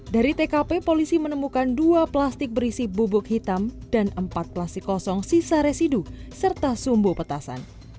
dari tkp polisi menemukan dua plastik berisi bubuk hitam dan empat plastik kosong sisa residu serta sumbu petasan